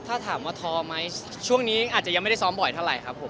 ถ้าถามว่าท้อไหมช่วงนี้อาจจะยังไม่ได้ซ้อมบ่อยเท่าไหร่ครับผม